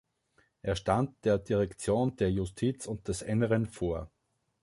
Er stand der Direktion der Justiz und des Inneren vor.